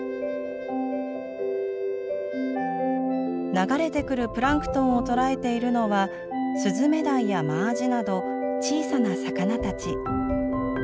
流れてくるプランクトンを捕らえているのはスズメダイやマアジなど小さな魚たち。